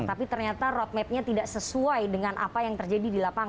tapi ternyata roadmapnya tidak sesuai dengan apa yang terjadi di lapangan